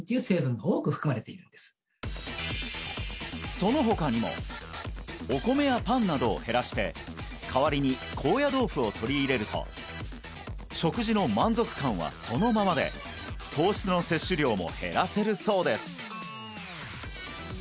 その他にもお米やパンなどを減らして代わりに高野豆腐を取り入れると食事の満足感はそのままで糖質の摂取量も減らせるそうです